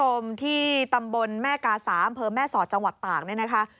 สวัสดีคุณผู้ชมที่ตำบลแม่กาสามเพิ่มแม่สอดจังหวัดตาก